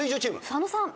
佐野さん。